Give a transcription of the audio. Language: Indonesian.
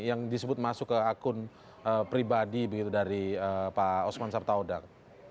yang disebut masuk ke akun pribadi begitu dari pak osman sabtaudang